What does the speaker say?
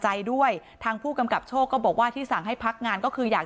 ใจด้วยทางผู้กำกับโชคก็บอกว่าที่สั่งให้พักงานก็คืออยาก